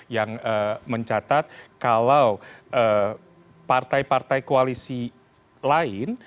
yang mencatat kalau partai partai koalisi lain